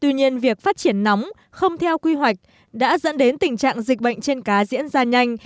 tuy nhiên việc phát triển nóng không theo quy hoạch đã dẫn đến tình trạng dịch bệnh trên cá diễn ra nhanh